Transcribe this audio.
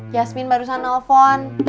yasmin barusan nelfon